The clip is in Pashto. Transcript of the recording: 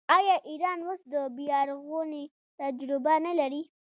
آیا ایران اوس د بیارغونې تجربه نلري؟